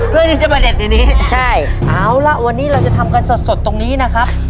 เพื่อที่จะมาเด็ดในนี้ใช่เอาล่ะวันนี้เราจะทำกันสดสดตรงนี้นะครับ